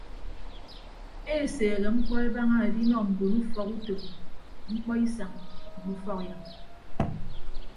Eseehe mkpọ ebaña edinọ mbon ufọkutom mkpọisañ mme ufọkidʌñ.